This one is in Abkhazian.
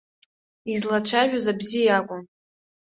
Излацәажәоз абзиа акәын.